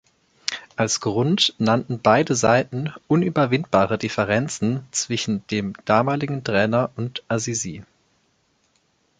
Als Grund nannten beide Seiten unüberwindbare Differenzen zwischen dem damaligen Trainer und Azizi.